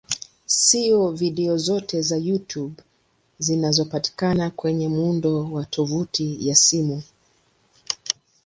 Si video zote za YouTube zinazopatikana kwenye muundo wa tovuti ya simu.